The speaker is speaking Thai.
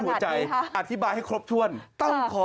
ภาษาแรกที่สุดท้าย